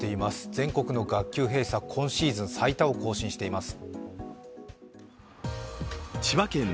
全国の学級閉鎖、今シーズン最多を更新しています。